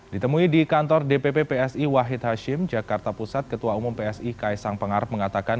ditemui di kantor dpp psi wahid hashim jakarta pusat ketua umum psi kaisang pengarap mengatakan